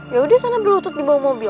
yaudah sana berlutut dibawah mobil